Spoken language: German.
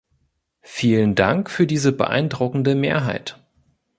Vielen Dank für diese beeindruckende Mehrheit.